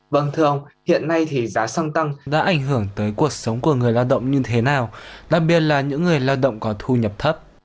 vâng thưa ông hiện nay thì giá xăng tăng đã ảnh hưởng tới cuộc sống của người lao động như thế nào đặc biệt là những người lao động có thu nhập thấp